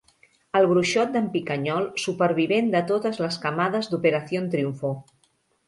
El bruixot d'en Picanyol, supervivent de totes les camades d'Operación Triunfo.